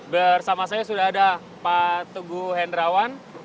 bersama saya sudah ada pak teguh hendrawan